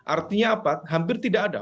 artinya apa hampir tidak ada